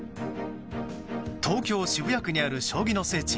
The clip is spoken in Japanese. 東京・渋谷区にある将棋の聖地